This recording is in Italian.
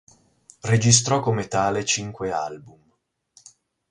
Registrò come tale cinque album.